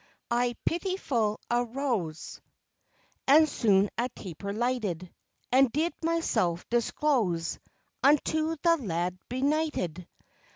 I pitiful arose, And soon a taper lighted; And did myself disclose Unto the lad benighted.